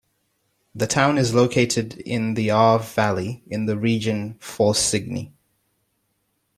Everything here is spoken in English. The town is located in the Arve Valley, in the region Faucigny.